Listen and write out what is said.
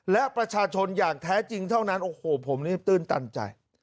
และประชาชนอย่างแท้จริงเท่านั้นโอ้โหผมนี่ตื้นตันใจ